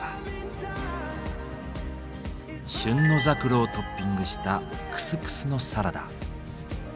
旬のザクロをトッピングしたクスクスのサラダ。